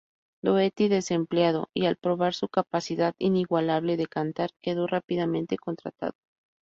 Doherty, desempleado y al probar su capacidad inigualable de cantar, quedó rápidamente contratado.